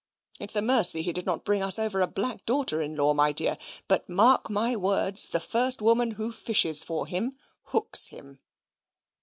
It's a mercy he did not bring us over a black daughter in law, my dear. But, mark my words, the first woman who fishes for him, hooks him."